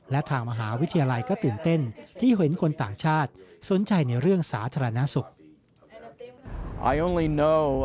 และทางมหาวิทยาลัยก็ตื่นเต้นที่เห็นคนต่างชาติสนใจในเรื่องสาธารณสุข